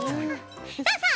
さあさあ